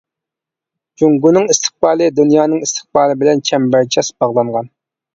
جۇڭگونىڭ ئىستىقبالى دۇنيانىڭ ئىستىقبالى بىلەن چەمبەرچاس باغلانغان.